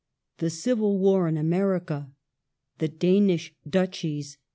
THE CIVIL WAR IN AMERICA. THE DANISH DUCHIES.